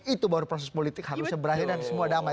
itu baru proses politik harus seberahin dan semua damai